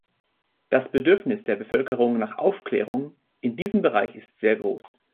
Das Bedürfnis der Bevölkerung nach Aufklärung in diesem Bereich ist sehr groß.